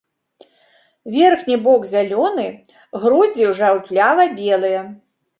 Верхні бок зялёны, грудзі жаўтлява-белыя.